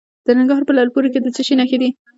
د ننګرهار په لعل پورې کې د څه شي نښې دي؟